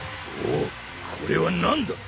おおこれは何だ？